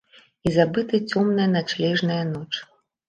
І забыта цёмная начлежная ноч.